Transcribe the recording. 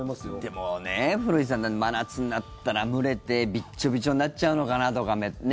でもね、古市さん真夏になったら蒸れてビッチョビチョになっちゃうのかなとかね。